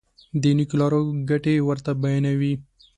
د نېکو لارو ګټې ورته بیانوي.